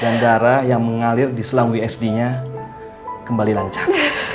dan darah yang mengalir di selang wsd nya kembali lancar